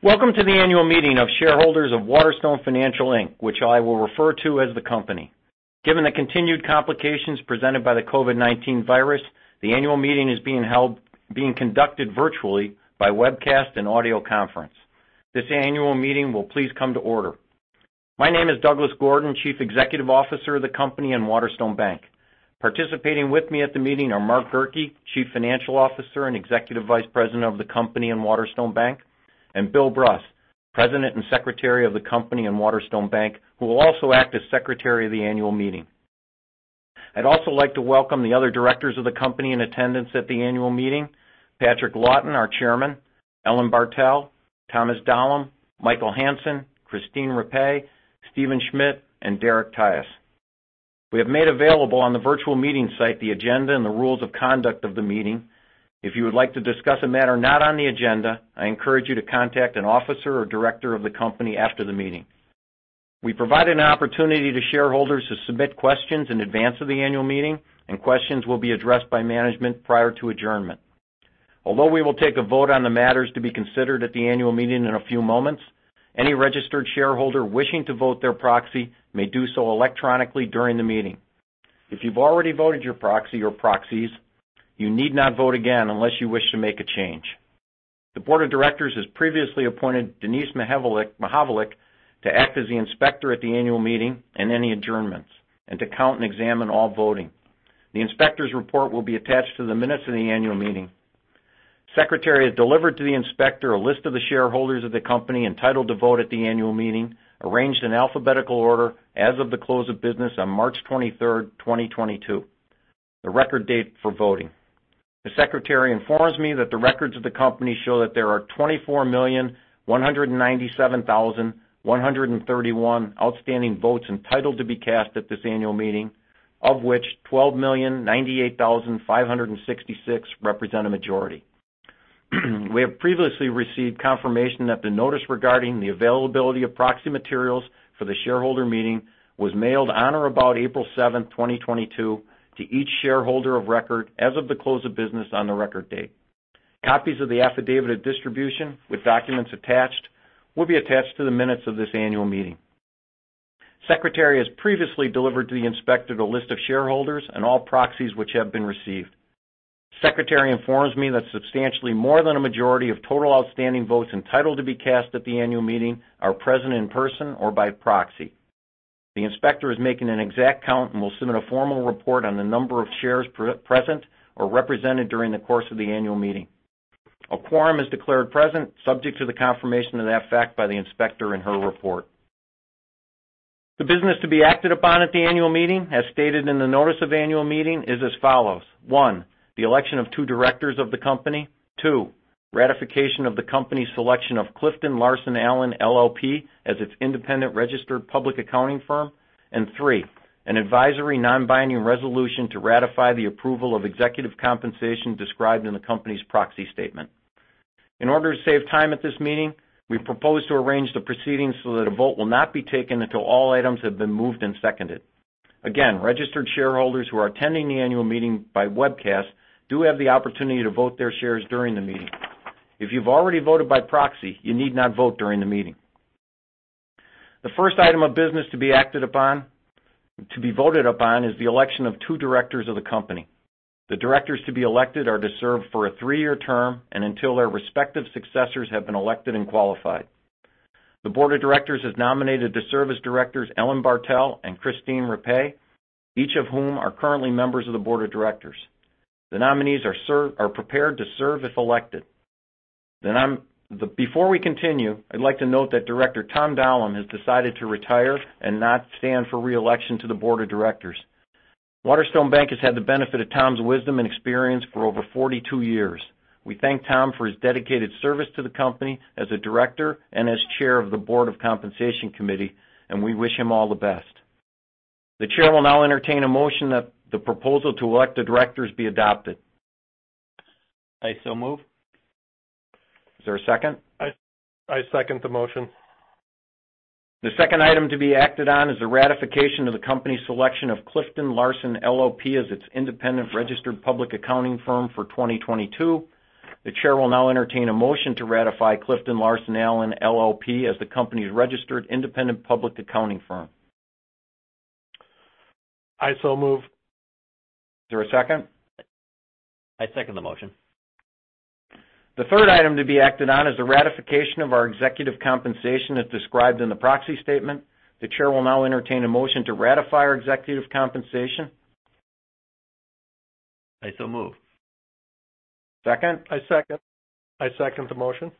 Welcome to the Annual Meeting of Shareholders of Waterstone Financial, Inc., which I will refer to as the company. Given the continued complications presented by the COVID-19 virus, the annual meeting is being conducted virtually by webcast and audio conference. This annual meeting will please come to order. My name is Douglas Gordon, Chief Executive Officer of the company and WaterStone Bank. Participating with me at the meeting are Mark Gerke, Chief Financial Officer and Executive Vice President of the company and WaterStone Bank, and Bill Bruss, President and Secretary of the company and WaterStone Bank, who will also act as Secretary of the annual meeting. I'd also like to welcome the other directors of the company in attendance at the annual meeting. Patrick Lawton, our Chairman, Ellen Bartel, Thomas Dalum, Michael Hansen, Kristine Rappé, Stephen Schmidt and Derek Tyus. We have made available on the virtual meeting site the agenda and the rules of conduct of the meeting. If you would like to discuss a matter not on the agenda, I encourage you to contact an officer or director of the company after the meeting. We provided an opportunity to shareholders to submit questions in advance of the annual meeting, and questions will be addressed by management prior to adjournment. Although we will take a vote on the matters to be considered at the annual meeting in a few moments, any registered shareholder wishing to vote their proxy may do so electronically during the meeting. If you've already voted your proxy or proxies, you need not vote again unless you wish to make a change. The board of directors has previously appointed Denise Mihaljevic to act as the inspector at the annual meeting and any adjournments and to count and examine all voting. The inspector's report will be attached to the minutes of the annual meeting. Secretary has delivered to the inspector a list of the shareholders of the company entitled to vote at the annual meeting, arranged in alphabetical order as of the close of business on March 23rd, 2022, the record date for voting. The secretary informs me that the records of the company show that there are 24,197,131 outstanding votes entitled to be cast at this annual meeting, of which 12,098,566 represent a majority. We have previously received confirmation that the notice regarding the availability of proxy materials for the shareholder meeting was mailed on or about April 7, 2022, to each shareholder of record as of the close of business on the record date. Copies of the affidavit of distribution, with documents attached, will be attached to the minutes of this annual meeting. Secretary has previously delivered to the inspector the list of shareholders and all proxies which have been received. Secretary informs me that substantially more than a majority of total outstanding votes entitled to be cast at the annual meeting are present in person or by proxy. The inspector is making an exact count and will submit a formal report on the number of shares present or represented during the course of the annual meeting. A quorum is declared present subject to the confirmation of that fact by the inspector in her report. The business to be acted upon at the annual meeting, as stated in the notice of annual meeting, is as follows. One, the election of two directors of the company. Two, ratification of the company's selection of CliftonLarsonAllen LLP as its independent registered public accounting firm. Three, an advisory non-binding resolution to ratify the approval of executive compensation described in the company's Proxy Statement. In order to save time at this meeting, we propose to arrange the proceedings so that a vote will not be taken until all items have been moved and seconded. Again, registered shareholders who are attending the annual meeting by webcast do have the opportunity to vote their shares during the meeting. If you've already voted by proxy, you need not vote during the meeting. The first item of business to be voted upon is the election of two directors of the company. The directors to be elected are to serve for a three-year term and until their respective successors have been elected and qualified. The board of directors has nominated to serve as directors Ellen Bartel and Kristine Rappé, each of whom are currently members of the board of directors. The nominees are prepared to serve if elected. Before we continue, I'd like to note that Director Thom Dalum has decided to retire and not stand for re-election to the board of directors. WaterStone Bank has had the benefit of Tom's wisdom and experience for over 42 years. We thank Thom for his dedicated service to the company as a director and as chair of the Compensation Committee, and we wish him all the best. The chair will now entertain a motion that the proposal to elect the directors be adopted. I so move. Is there a second? I second the motion. The second item to be acted on is the ratification of the company's selection of CliftonLarsonAllen LLP as its independent registered public accounting firm for 2022. The chair will now entertain a motion to ratify CliftonLarsonAllen LLP as the company's registered independent public accounting firm. I so move. Is there a second? I second the motion. The third item to be acted on is the ratification of our executive compensation as described in the Proxy Statement. The chair will now entertain a motion to ratify our executive compensation. I so move. Second? I second the motion.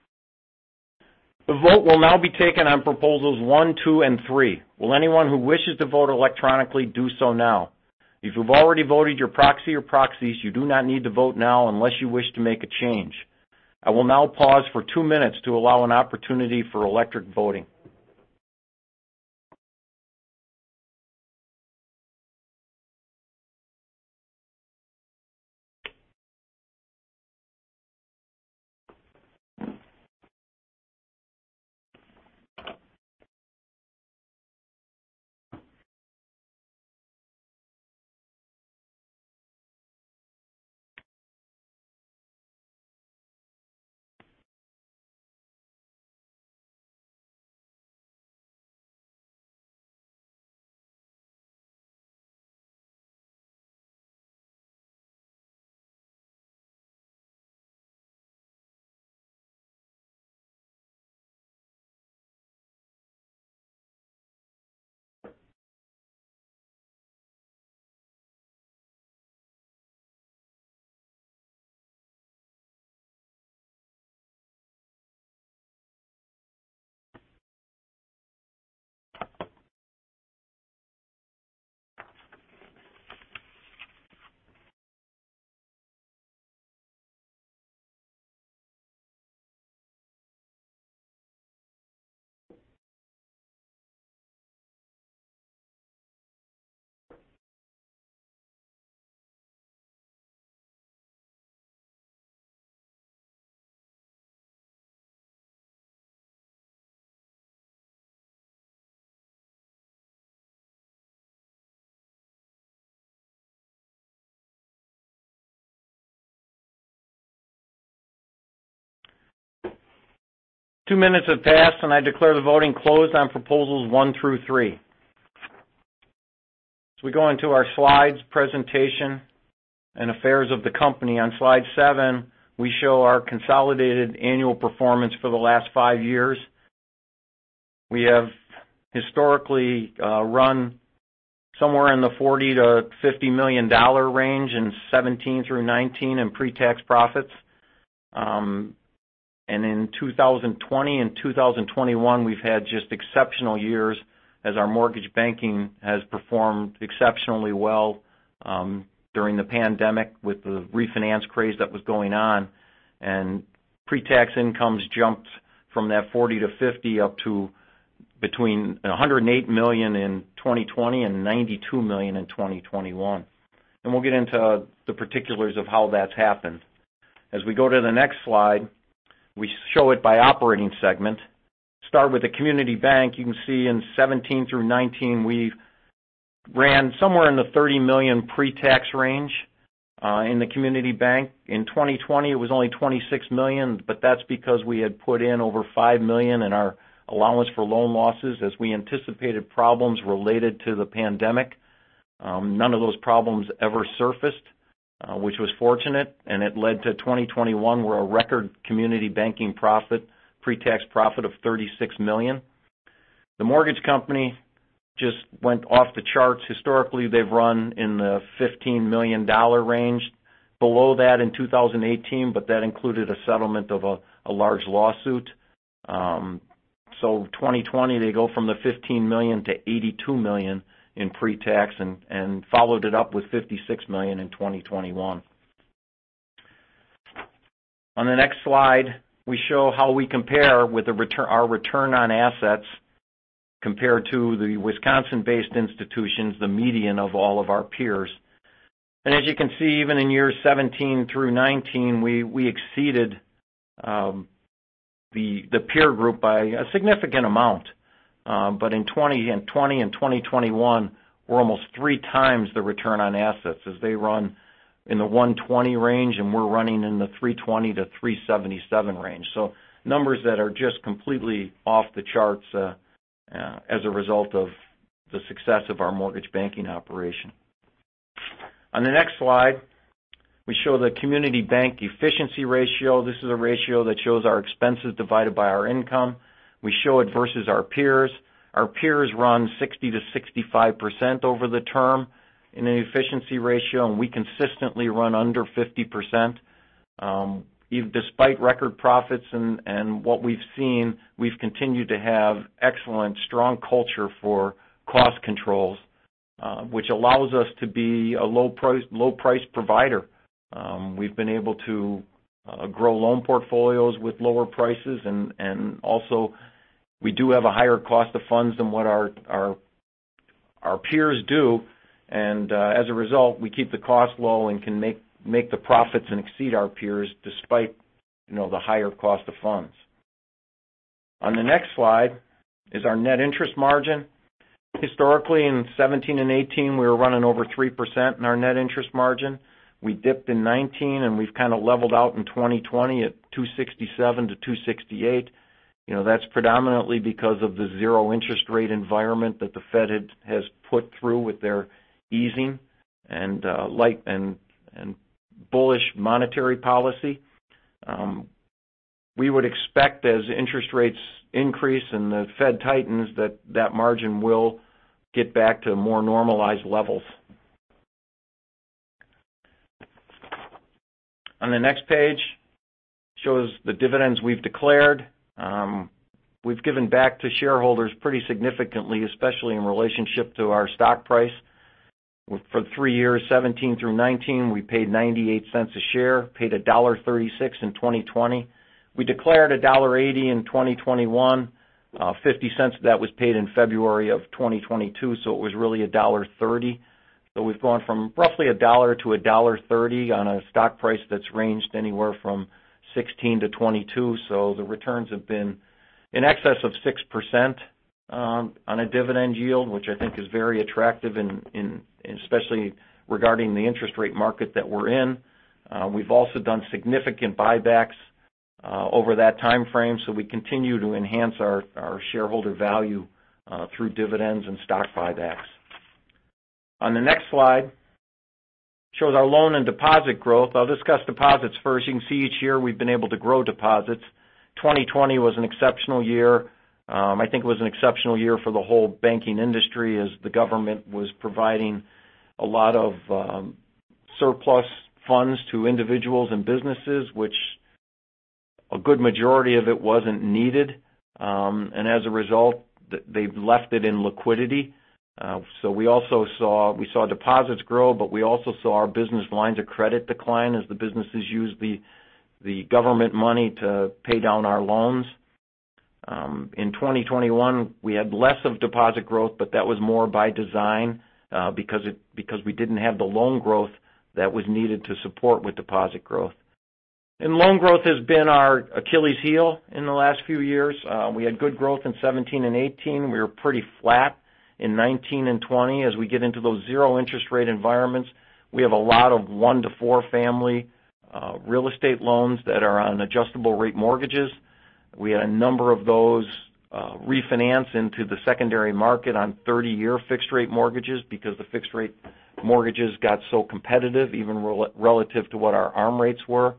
The vote will now be taken on proposals one, two, and three. Will anyone who wishes to vote electronically do so now? If you've already voted your proxy or proxies, you do not need to vote now unless you wish to make a change. I will now pause for two minutes to allow an opportunity for electronic voting. Two minutes have passed, and I declare the voting closed on proposals one through three. As we go into our slides, presentation, and affairs of the company, on slide seven, we show our consolidated annual performance for the last five years. We have historically run somewhere in the $40 million-$50 million range in 2017 through 2019 in pre-tax profits. In 2020 and 2021, we've had just exceptional years as our mortgage banking has performed exceptionally well, during the pandemic with the refinance craze that was going on. Pre-tax incomes jumped from that $40 million-$50 million up to between $108 million in 2020 and $92 million in 2021. We'll get into the particulars of how that's happened. As we go to the next slide, we show it by operating segment. Start with the community bank. You can see in 2017-2019, we ran somewhere in the $30 million pre-tax range, in the community bank. In 2020, it was only $26 million, but that's because we had put in over $5 million in our allowance for loan losses as we anticipated problems related to the pandemic. None of those problems ever surfaced, which was fortunate, and it led to 2021, where a record community banking profit, pre-tax profit of $36 million. The mortgage company just went off the charts. Historically, they've run in the $15 million range. Below that in 2018, but that included a settlement of a large lawsuit. 2020, they go from the $15 million to $82 million in pre-tax and followed it up with $56 million in 2021. On the next slide, we show how we compare with our return on assets compared to the Wisconsin-based institutions, the median of all of our peers. As you can see, even in years 2017 through 2019, we exceeded the peer group by a significant amount. In 2020 and 2021, we're almost 3x the return on assets as they run in the 1.20% range, and we're running in the 3.20%-3.77% range. Numbers that are just completely off the charts as a result of the success of our mortgage banking operation. On the next slide, we show the community bank efficiency ratio. This is a ratio that shows our expenses divided by our income. We show it versus our peers. Our peers run 60%-65% over the term in the efficiency ratio, and we consistently run under 50%. Despite record profits and what we've seen, we've continued to have excellent, strong culture for cost controls, which allows us to be a low-cost provider. We've been able to grow loan portfolios with lower prices and also we do have a higher cost of funds than what our peers do. As a result, we keep the cost low and can make the profits and exceed our peers despite, you know, the higher cost of funds. On the next slide is our net interest margin. Historically, in 2017 and 2018, we were running over 3% in our net interest margin. We dipped in 2019, and we've kind of leveled out in 2020 at 2.67%-2.68%. You know, that's predominantly because of the zero interest rate environment that the Fed has put through with their easing and loose and bullish monetary policy. We would expect as interest rates increase and the Fed tightens, that margin will get back to more normalized levels. On the next page shows the dividends we've declared. We've given back to shareholders pretty significantly, especially in relationship to our stock price. For three years, 2017-2019, we paid $0.98 a share, paid $1.36 in 2020. We declared $1.80 in 2021. $0.50 of that was paid in February of 2022, so it was really $1.30. So we've gone from roughly $1 to $1.30 on a stock price that's ranged anywhere from $16-$22. So the returns have been in excess of 6% on a dividend yield, which I think is very attractive in especially regarding the interest rate market that we're in. We've also done significant buybacks over that timeframe, so we continue to enhance our shareholder value through dividends and stock buybacks. On the next slide, shows our loan and deposit growth. I'll discuss deposits first. You can see each year we've been able to grow deposits. 2020 was an exceptional year. I think it was an exceptional year for the whole banking industry as the government was providing a lot of surplus funds to individuals and businesses, which a good majority of it wasn't needed. As a result, they've left it in liquidity. We also saw deposits grow, but we also saw our business lines of credit decline as the businesses used the government money to pay down our loans. In 2021, we had less of deposit growth, but that was more by design, because we didn't have the loan growth that was needed to support with deposit growth. Loan growth has been our Achilles heel in the last few years. We had good growth in 2017 and 2018. We were pretty flat in 2019 and 2020. As we get into those 0% interest rate environments, we have a lot of one to four family real estate loans that are on adjustable rate mortgages. We had a number of those refinance into the secondary market on 30-year fixed rate mortgages because the fixed rate mortgages got so competitive, even relative to what our ARM rates were.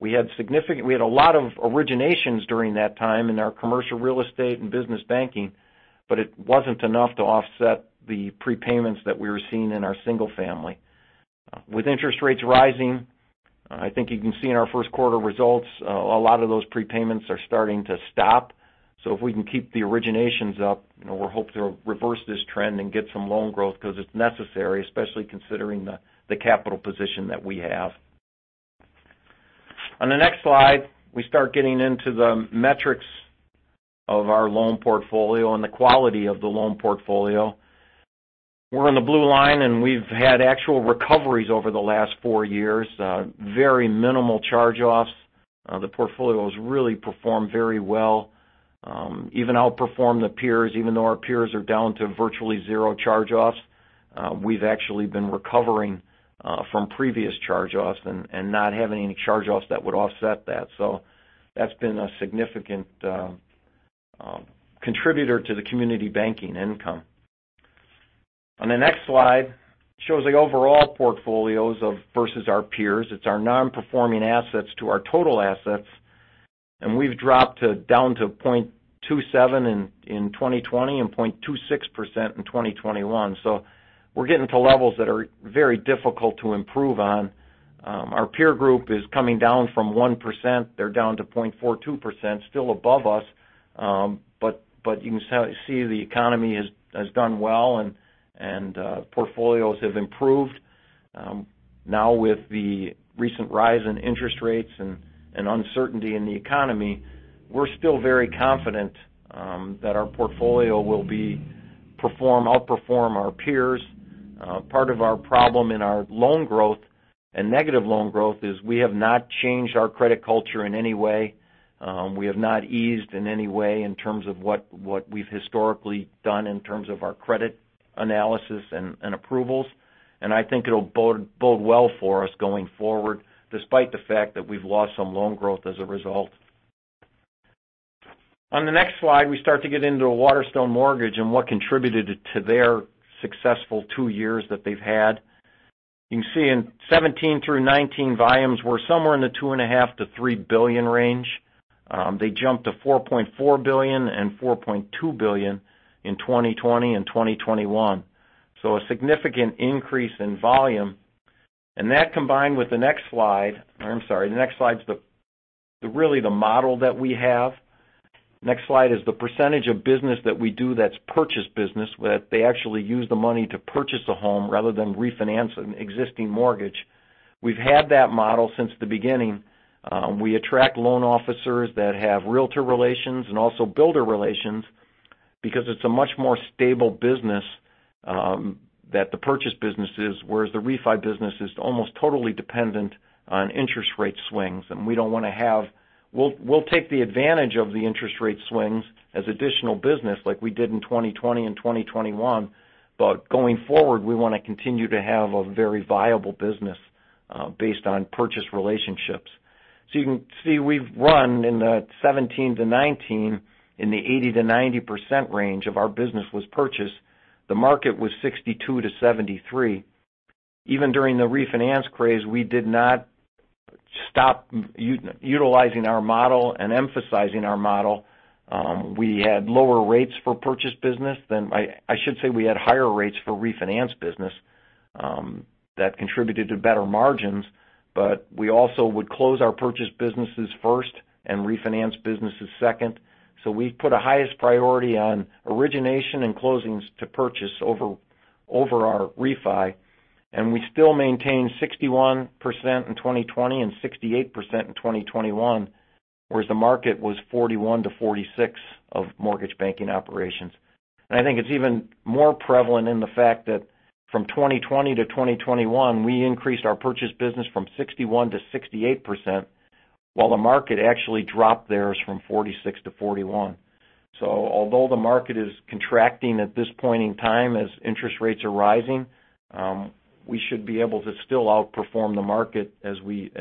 We had significant We had a lot of originations during that time in our commercial real estate and business banking, but it wasn't enough to offset the prepayments that we were seeing in our single family. With interest rates rising, I think you can see in our first quarter results, a lot of those prepayments are starting to stop. If we can keep the originations up, you know, we hope to reverse this trend and get some loan growth because it's necessary, especially considering the capital position that we have. On the next slide, we start getting into the metrics of our loan portfolio and the quality of the loan portfolio. We're in the blue line, and we've had actual recoveries over the last four years. Very minimal charge-offs. The portfolio has really performed very well, even outperformed the peers. Even though our peers are down to virtually zero charge-offs, we've actually been recovering from previous charge-offs and not having any charge-offs that would offset that. That's been a significant contributor to the community banking income. On the next slide shows the overall portfolios versus our peers. It's our non-performing assets to our total assets, and we've dropped down to 0.27 in 2020 and 0.26% in 2021. We're getting to levels that are very difficult to improve on. Our peer group is coming down from 1%. They're down to 0.42%, still above us, but you can see the economy has done well and portfolios have improved. Now with the recent rise in interest rates and uncertainty in the economy, we're still very confident that our portfolio will outperform our peers. Part of our problem in our loan growth and negative loan growth is we have not changed our credit culture in any way. We have not eased in any way in terms of what we've historically done in terms of our credit analysis and approvals. I think it'll bode well for us going forward, despite the fact that we've lost some loan growth as a result. On the next slide, we start to get into Waterstone Mortgage and what contributed to their successful two years that they've had. You can see in 2017 through 2019, volumes were somewhere in the $2.5 billion-$3 billion range. They jumped to $4.4 billion and $4.2 billion in 2020 and 2021. A significant increase in volume, and that combined with the next slide. I'm sorry, the next slide is really the model that we have. Next slide is the percentage of business that we do that's purchase business, where they actually use the money to purchase a home rather than refinance an existing mortgage. We've had that model since the beginning. We attract loan officers that have realtor relations and also builder relations because it's a much more stable business, that the purchase business is, whereas the refi business is almost totally dependent on interest rate swings. We don't want to have. We'll take advantage of the interest rate swings as additional business like we did in 2020 and 2021, but going forward, we want to continue to have a very viable business based on purchase relationships. You can see we've run in 2017-2019 in the 80%-90% range of our business was purchased. The market was 62%-73%. Even during the refinance craze, we did not stop utilizing our model and emphasizing our model. We had higher rates for refinance business that contributed to better margins, but we also would close our purchase businesses first and refinance businesses second. We put a highest priority on origination and closings to purchase over our refi, and we still maintain 61% in 2020 and 68% in 2021, whereas the market was 41%-46% of mortgage banking operations. I think it's even more prevalent in the fact that from 2020 to 2021, we increased our purchase business from 61% to 68%, while the market actually dropped theirs from 46% to 41%. Although the market is contracting at this point in time as interest rates are rising, we should be able to still outperform the market as the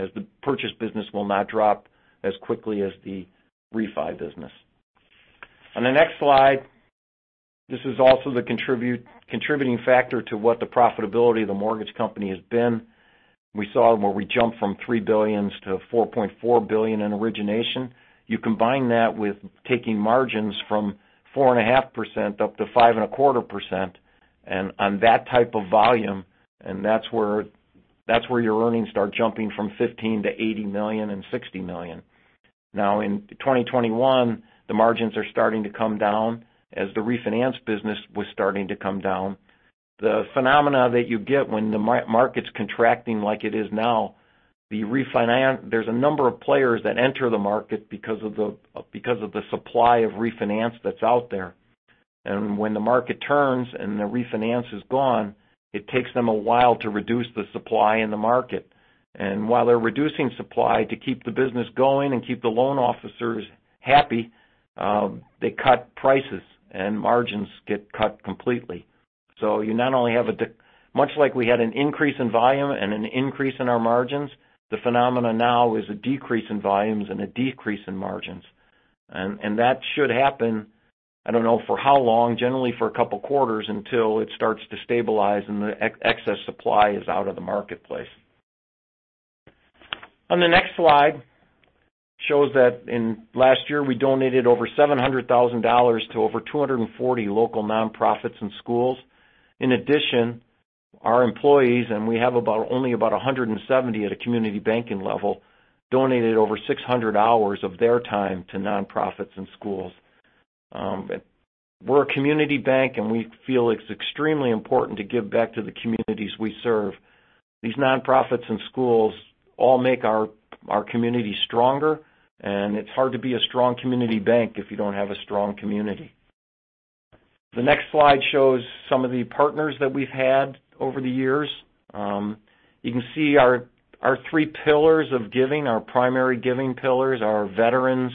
purchase business will not drop as quickly as the refi business. On the next slide, this is also the contributing factor to what the profitability of the mortgage company has been. We saw where we jumped from $3 billion to $4.4 billion in origination. You combine that with taking margins from 4.5% up to 5.25%, and on that type of volume, and that's where your earnings start jumping from $15 million to $80 million and $60 million. Now, in 2021, the margins are starting to come down as the refinance business was starting to come down. The phenomena that you get when the market's contracting like it is now, the refinance, there's a number of players that enter the market because of the supply of refinance that's out there. When the market turns and the refinance is gone, it takes them a while to reduce the supply in the market. While they're reducing supply to keep the business going and keep the loan officers happy, they cut prices and margins get cut completely. So you not only have much like we had an increase in volume and an increase in our margins, the phenomena now is a decrease in volumes and a decrease in margins. That should happen, I don't know for how long, generally for a couple quarters until it starts to stabilize and the excess supply is out of the marketplace. On the next slide, shows that in last year we donated over $700,000 to over 240 local nonprofits and schools. In addition, our employees, and we have only about 170 at a community banking level, donated over 600 hours of their time to nonprofits and schools. We're a community bank, and we feel it's extremely important to give back to the communities we serve. These nonprofits and schools all make our community stronger, and it's hard to be a strong community bank if you don't have a strong community. The next slide shows some of the partners that we've had over the years. You can see our three pillars of giving, our primary giving pillars are veterans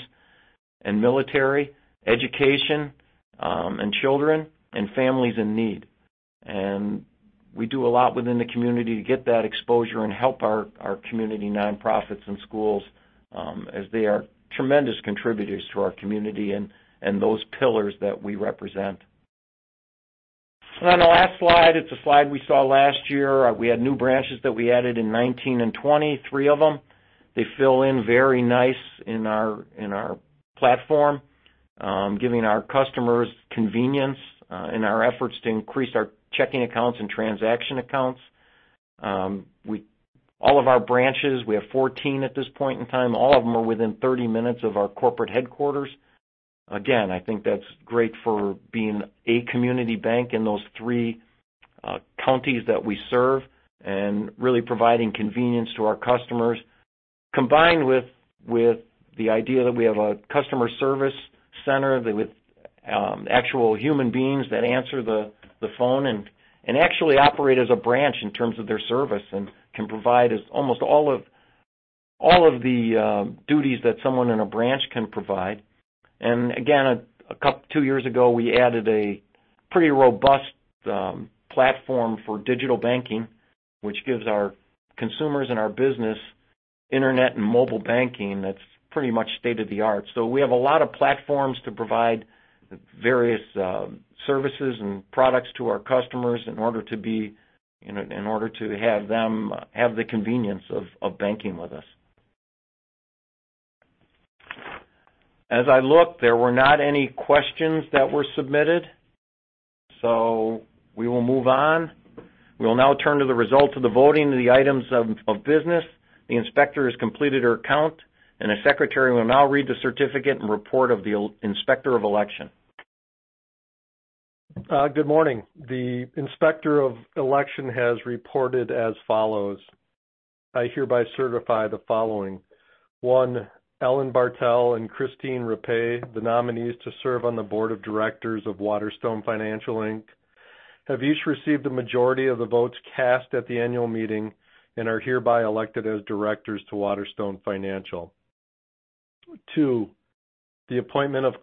and military, education, and children and families in need. We do a lot within the community to get that exposure and help our community nonprofits and schools, as they are tremendous contributors to our community and those pillars that we represent. On the last slide, it's a slide we saw last year. We had new branches that we added in 2019 and 2020, three of them. They fill in very nice in our platform, giving our customers convenience in our efforts to increase our checking accounts and transaction accounts. All of our branches, we have 14 at this point in time, all of them are within 30 minutes of our corporate headquarters. Again, I think that's great for being a community bank in those three counties that we serve and really providing convenience to our customers, combined with the idea that we have a customer service center with actual human beings that answer the phone and actually operate as a branch in terms of their service and can provide us almost all of the duties that someone in a branch can provide. Two years ago, we added a pretty robust platform for digital banking, which gives our consumers and our business internet and mobile banking that's pretty much state-of-the-art. We have a lot of platforms to provide various services and products to our customers in order to have them have the convenience of banking with us. As I look, there were not any questions that were submitted, so we will move on. We will now turn to the results of the voting and the items of business. The inspector has completed her count, and the secretary will now read the certificate and report of the inspector of election. Good morning. The inspector of election has reported as follows. I hereby certify the following. One, Ellen Bartel and Kristine Rappé, the nominees to serve on the board of directors of Waterstone Financial, Inc, have each received the majority of the votes cast at the annual meeting and are hereby elected as directors to Waterstone Financial. Two, the appointment of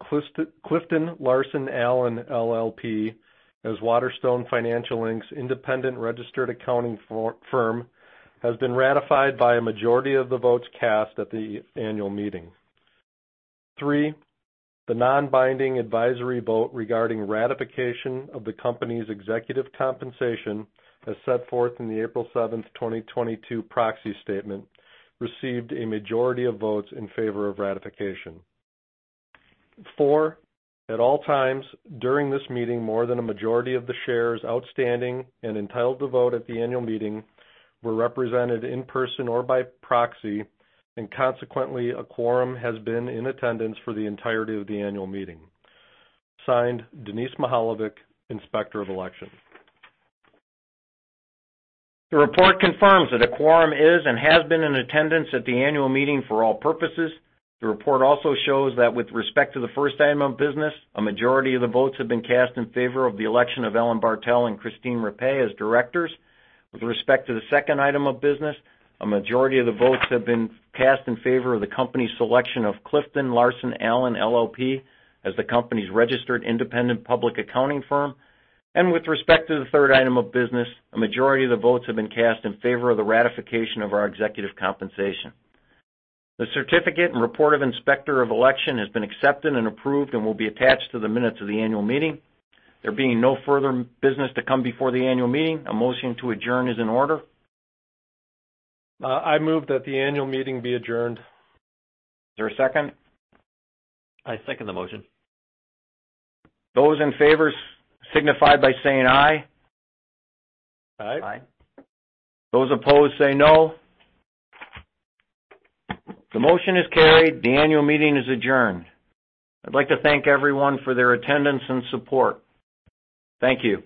CliftonLarsonAllen LLP as Waterstone Financial, Inc's independent registered accounting firm has been ratified by a majority of the votes cast at the annual meeting. Three, the non-binding advisory vote regarding ratification of the company's executive compensation as set forth in the April 7th, 2022 Proxy Statement, received a majority of votes in favor of ratification. Four, at all times during this meeting, more than a majority of the shares outstanding and entitled to vote at the annual meeting were represented in person or by proxy, and consequently, a quorum has been in attendance for the entirety of the annual meeting. Signed, Denise Mihaljevic, Inspector of Election. The report confirms that a quorum is and has been in attendance at the annual meeting for all purposes. The report also shows that with respect to the first item of business, a majority of the votes have been cast in favor of the election of Ellen Bartel and Kristine Rappé as directors. With respect to the second item of business, a majority of the votes have been cast in favor of the company's selection of CliftonLarsonAllen LLP as the company's registered independent public accounting firm. With respect to the third item of business, a majority of the votes have been cast in favor of the ratification of our executive compensation. The certificate and report of Inspector of Election has been accepted and approved and will be attached to the minutes of the annual meeting. There being no further business to come before the annual meeting, a motion to adjourn is in order. I move that the annual meeting be adjourned. Is there a second? I second the motion. Those in favor signify by saying "Aye. Aye. Aye. Those opposed say no. The motion is carried. The annual meeting is adjourned. I'd like to thank everyone for their attendance and support. Thank you.